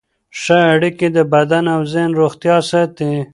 ښه اړیکې د بدن او ذهن روغتیا ساتي.